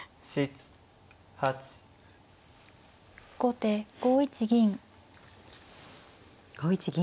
後手５一銀。